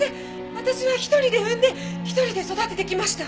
私は１人で産んで１人で育ててきました。